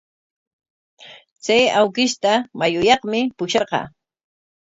Chay awkishta mayuyaqmi pusharqaa.